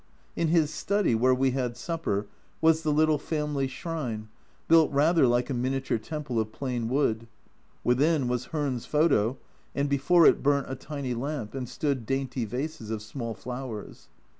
In his study, where we had supper, was the little family shrine, built rather like a miniature temple of plain wood ; within was Hearn's photo, and before it burnt a tiny lamp and stood dainty vases of small flowers.